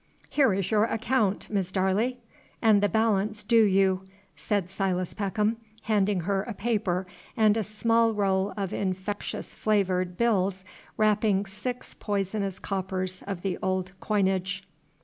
"Here is your accaount, Miss Darley, and the balance doo you," said Silas Peckham, handing her a paper and a small roll of infectious flavored bills wrapping six poisonous coppers of the old coinage.